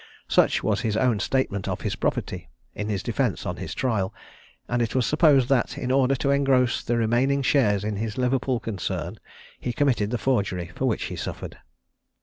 Such was his own statement of his property, in his defence on his trial; and it was supposed that, in order to engross the remaining shares in his Liverpool concern, he committed the forgery for which he suffered.